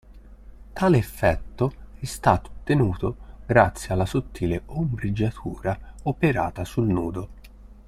Tale effetto è stato ottenuto grazie alla sottile ombreggiatura operata sul nudo.